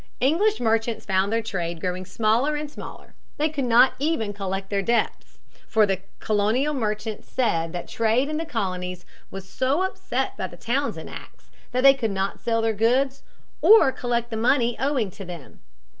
English merchants found their trade growing smaller and smaller. They could not even collect their debts, for the colonial merchants said that trade in the colonies was so upset by the Townshend Acts that they could not sell their goods, or collect the money owing to them.